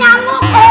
ya pak ustaz